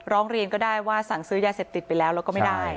ร้องเรียนก็ได้ว่าสั่งซื้อยาเสพติดไปแล้วแล้วก็ไม่ได้